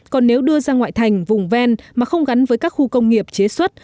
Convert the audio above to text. còn nếu đưa ra ngoại thành vùng ven mà không gắn với các khu công nghiệp chế xuất